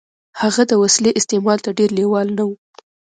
هغه د وسيلې استعمال ته ډېر لېوال نه و.